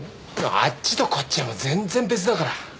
あっちとこっちはもう全然別だから。